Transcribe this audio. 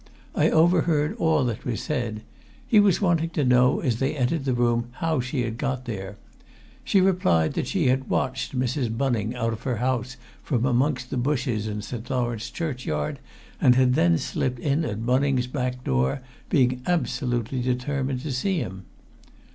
I overheard all that was said. He was wanting to know as they entered the room how she had got there. She replied that she had watched Mrs. Bunning out of her house from amongst the bushes in St. Lawrence churchyard, and had then slipped in at Bunning's back door, being absolutely determined to see him.